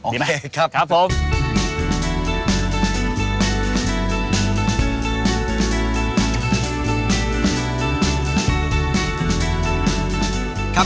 ดีไหมครับผมครับผมอ๋อโอเคครับ